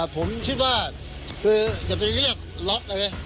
ผมคิดว่าคืออย่าไปเรียกล็อกเลย